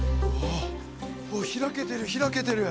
お開けてる開けてる。